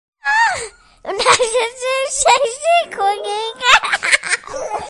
Nath y dyn saethu cwningen.